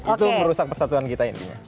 itu merusak persatuan kita intinya